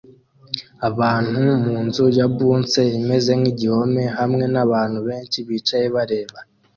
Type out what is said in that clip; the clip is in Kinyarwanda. abantu munzu ya bounce imeze nkigihome hamwe nabantu benshi bicaye bareba